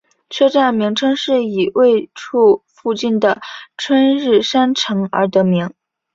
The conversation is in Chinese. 车站名称是以位处附近的春日山城而得名。